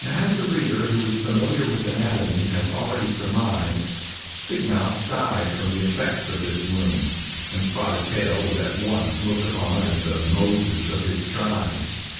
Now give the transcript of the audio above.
As the reader who is familiar with anatomy has already surmised, Big Mouth died from the effects of this wound, and Spotted Tail was at once looked upon as the Moses of his tribe.